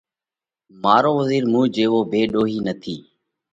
مارو وزِير مُون جيوو ڀيۮوهِي نتو،